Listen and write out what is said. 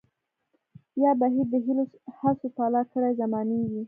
يا بهير د هيلو هڅو تالا کړے زمانې وي